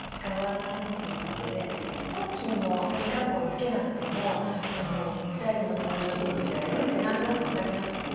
さっきもかぎ括弧を付けなくても２人の登場人物がいるって何となく分かりましたよね。